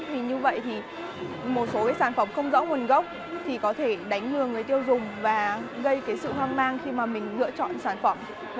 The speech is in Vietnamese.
vì như vậy thì một số sản phẩm không rõ nguồn gốc thì có thể đánh hương người tiêu dùng và gây sự hoang mang khi mà mình lựa chọn sản phẩm